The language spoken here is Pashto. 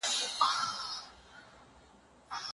اوبه بې ځایه مه لګوئ.